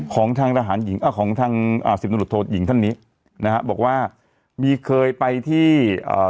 ของทางสิทธิรุตโทษหญิงท่านนี้นะฮะบอกว่ามีเคยไปที่อ่า